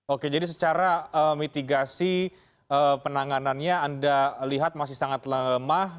oke jadi secara mitigasi penanganannya anda lihat masih sangat lemah